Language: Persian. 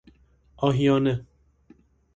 آهیانه